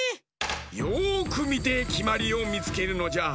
よくみてきまりをみつけるのじゃ。